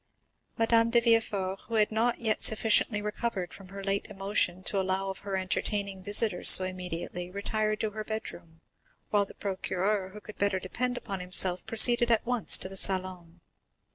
Madame de Villefort, who had not yet sufficiently recovered from her late emotion to allow of her entertaining visitors so immediately, retired to her bedroom, while the procureur, who could better depend upon himself, proceeded at once to the salon.